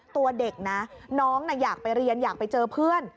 ตัวเด็กนะน้องอยากไปเรียนอยากไปเจอเพื่อน